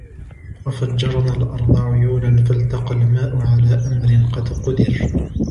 وَفَجَّرْنَا الأَرْضَ عُيُونًا فَالْتَقَى الْمَاء عَلَى أَمْرٍ قَدْ قُدِرَ